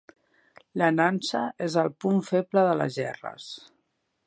La nansa és el punt feble de les gerres.